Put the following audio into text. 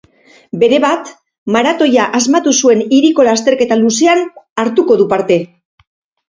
Berebat, maratoia asmatu zuen hiriko lasterketa luzean hartuko du parte.